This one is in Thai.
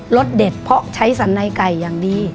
สเด็ดเพราะใช้สันในไก่อย่างดี